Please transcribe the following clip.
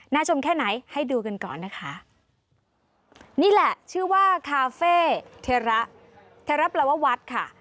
ชมแค่ไหนให้ดูกันก่อนนะคะนี่แหละชื่อว่าคาเฟ่เทระเทระลววัฒน์ค่ะ